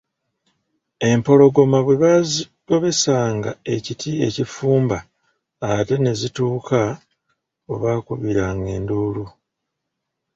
Empologoma bwe baazigobesanga ekiti ekifumba ate ne zituuka we baakubiriranga enduulu.